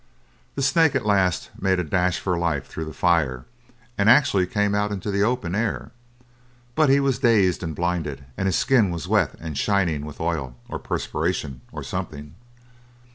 The snake at last made a dash for life through the fire, and actually came out into the open air. But he was dazed and blinded, and his skin was wet and shining with oil, or perspiration, or something.